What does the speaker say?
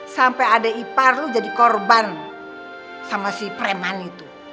sampai adik ipar lu jadi korban sama si preman itu